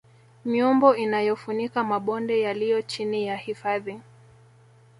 Miombo inayofunika mabonde yaliyo chini ya hifadhi